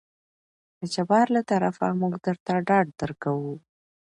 د جبار له طرفه موږ درته ډاډ درکو.